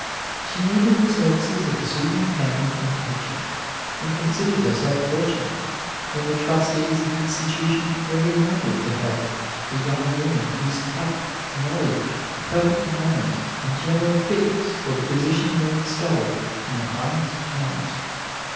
She needed the services of a superintendent and teacher, and considered herself fortunate when the trustees of the institution recommended to her a young woman whose tact, knowledge, perfect manners, and general fitness for the position they extolled in the highest terms.